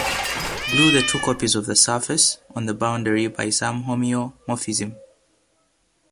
Glue the two copies of the surface, on the boundary, by some homeomorphism.